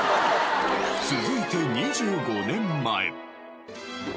続いて２５年前。